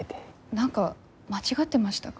何か間違ってましたか？